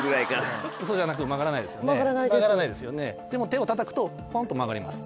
手をたたくとポンと曲がります。